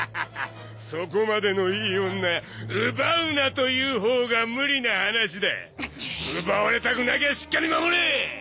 そこまでのいい女奪うなと言うほうが無理な話だ奪われたくなきゃしっかり守れ！